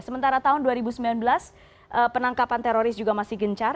sementara tahun dua ribu sembilan belas penangkapan teroris juga masih gencar